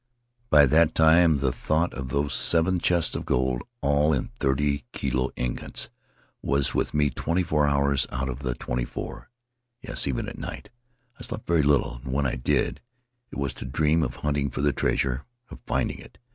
By that time the thought of those seven chests of gold, all in thirty kilo ingots, was with me twenty four hours out of the twenty four. Yes, even at night. I slept very little, and when I did it was to dream of hunting for the treasure; of finding it.